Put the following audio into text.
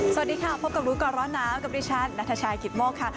สวัสดีค่ะพบกับรู้ก่อนร้อนหนาวกับดิฉันนัทชายกิตโมกค่ะ